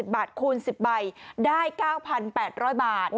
บาทคูณ๑๐ใบได้๙๘๐๐บาท